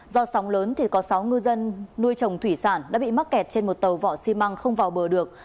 do sóng lớn thì có sáu ngư dân nuôi trồng thủy sản đã bị mắc kẹt trên một tàu vỏ xi măng không vào bờ được